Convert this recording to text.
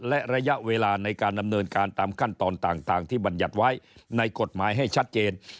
และระยะเวลาในการดำเนินการตามขั้นตอนต่างที่บรรยัติไว้ในกฎหมายให้ชัดเจน